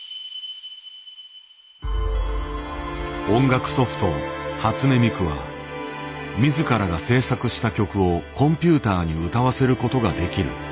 音楽ソフト「初音ミク」は自らが制作した曲をコンピューターに歌わせることができる。